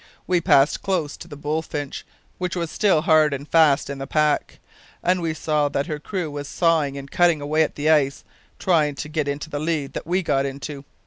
We passed close to the Bullfinch, which was still hard and fast in the pack, and we saw that her crew were sawin' and cuttin' away at the ice, tryin' to get into the lead that we'd got into.